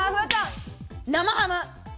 生ハム。